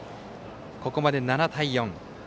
ここまで７対４。